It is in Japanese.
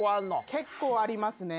結構ありますね。